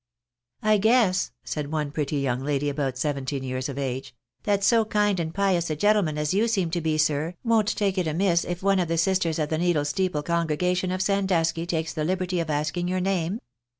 " I guess," said one pretty young lady, about seventeen years of age, " that so kind and pious a gentleman as you seem to be, sir, won't take it amiss if one of the sisters of the Needle Steeple con gregation of Sandusky takes the liberty of asking yoiir name